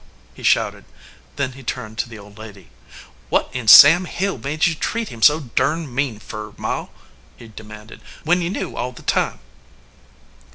he shouted. Then he turned to the old lady. "What in Sam Hill made you treat him so durned mean fur, Ma," he demanded, "when you knew all the time?"